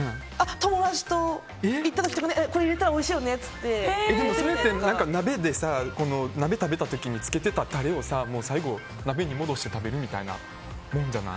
友達と行った時でも、それって鍋食べた時に、つけてたタレを最後、鍋に戻して食べるみたいなもんじゃない。